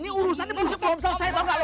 ini urusan baru sebelum selesai tau gak lu